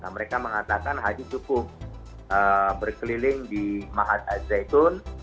mereka mengatakan haji cukup berkeliling di mahat azaytun